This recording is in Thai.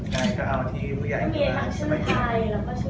ใช่จะเอาทีมีว่าใช่ไม่มี